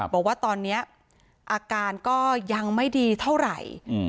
บอกว่าตอนนี้อาการก็ยังไม่ดีเท่าไหร่